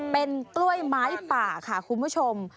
เป็นกล้วยไม้ป่าค่ะคุณผู้ชม